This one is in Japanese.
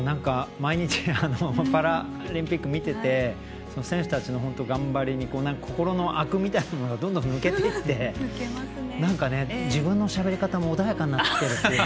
毎日パラリンピック見てて選手たちの頑張りに心のあくみたいなものがどんどん抜けていってなんか、自分のしゃべり方も穏やかになってきてるってね。